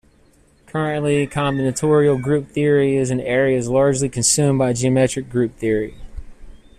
Currently combinatorial group theory as an area is largely subsumed by geometric group theory.